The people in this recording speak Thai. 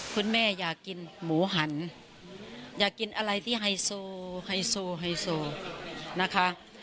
คุณแม่อยากกินหมูหันอยากกินอะไรที่ไฮโซไฮโซไฮโซนะคะ